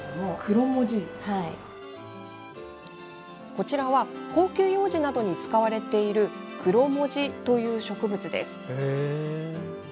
こちらは高級ようじなどに使われているクロモジという植物です。